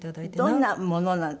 どんなもの？